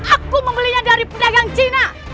aku membelinya dari pedagang cina